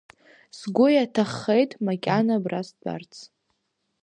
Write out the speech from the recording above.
Сгәы иаҭаххеит макьана абра стәазарц.